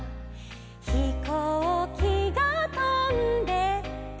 「ひこうきがとんでった」